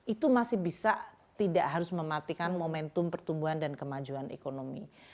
itu masih bisa tidak harus mematikan momentum pertumbuhan dan kemajuan ekonomi